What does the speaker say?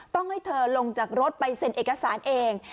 ต้องให้เธอลงจากรถไปเซ็นเอกสารเอง